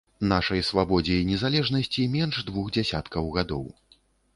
Нашай свабодзе і незалежнасці менш двух дзесяткаў гадоў.